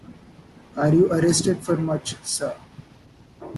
Are you arrested for much, sir?